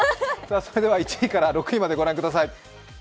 それでは１位から６位までご覧ください。